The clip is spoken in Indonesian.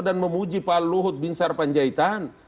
dan memuji pak luhut bin sarpanjaitan